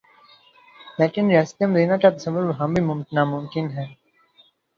لیکن ریاست مدینہ کا تصور وہاں بھی ناممکن ہے۔